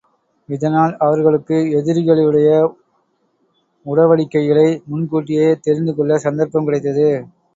இதனால் அவர்களுக்கு எதிரிகளுடைய உடவடிக்கைகளை முன்கூட்டியே தெரிந்துக் கொள்ளச் சந்தர்ப்பம் கிடைத்தது.